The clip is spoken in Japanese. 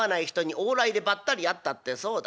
往来でばったり会ったってそうだ。